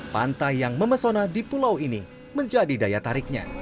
pantai yang memesona di pulau ini menjadi daya tariknya